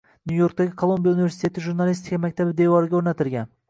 Nyu-Yorkdagi Kolumbiya universiteti Jurnalistika maktabi devoriga o‘rnatilgan